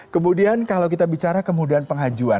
kemudian kalau kita bicara kemudahan pengajuan